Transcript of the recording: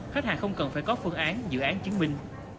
khách hàng không cần phải có phương án dự án chứng minh